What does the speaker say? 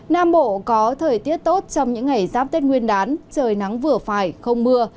nam bộ có thời tiết tốt trong những ngày giáp tết nguyên đán trời nắng vừa phải không mưa